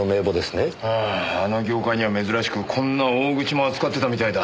あああの業界には珍しくこんな大口も扱ってたみたいだ。